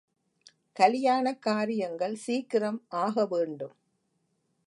கலியாண காரியங்கள் சீக்கிரம் ஆக வேண்டும்.